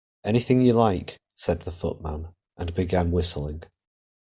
‘Anything you like,’ said the Footman, and began whistling.